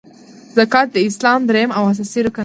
زکات د اسلام دریم او اساسې رکن دی .